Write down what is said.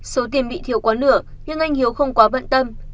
số tiền bị thiếu quá nửa nhưng anh hiếu không quá bận tâm